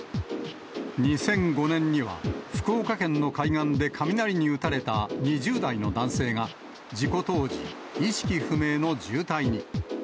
２００５年には、福岡県の海岸で雷に打たれた２０代の男性が、事故当時、意識不明の重体に。